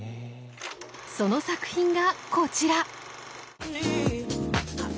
その作品がこちら。